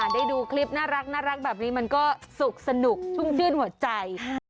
ได้ดูคลิปน่ารักแบบนี้มันก็สุขสนุกชุ่มชื่นหัวใจ